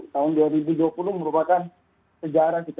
tahun dua ribu dua puluh merupakan sejarah kita